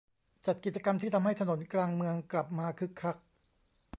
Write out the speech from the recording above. จัดกิจกรรมที่ทำให้ถนนกลางเมืองกลับมาคึกคัก